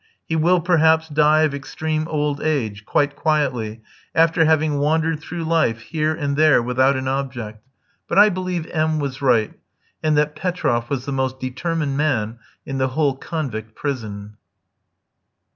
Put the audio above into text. He will, perhaps, die of extreme old age, quite quietly, after having wandered through life, here and there, without an object; but I believe M was right, and that Petroff was the most determined man in the whole convict prison.